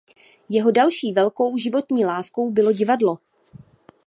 Jeho další velkou životní láskou bylo divadlo.